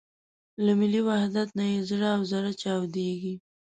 له ملي وحدت نه یې زړه او زره چاودېږي.